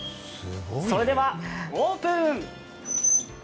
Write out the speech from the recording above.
それでは、オープン！